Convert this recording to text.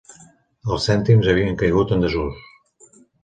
Els cèntims havien caigut en desús.